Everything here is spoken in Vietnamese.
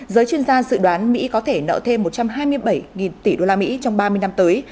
giới chuyên gia dự đoán mỹ có thể nợ thêm một trăm hai mươi bảy tỷ đô la mỹ trong ba mươi năm tới